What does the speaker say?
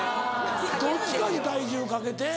どっちかに体重かけて？